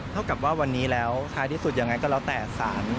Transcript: เท่ากับว่าวันนี้แล้วท้ายที่สุดยังไงก็แล้วแต่สาร